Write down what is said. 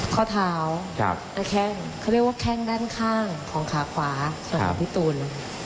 ข้อเท้าและแข้งเขาเรียกว่าแข้งด้านข้างของขาขวาสำหรับพี่ตูน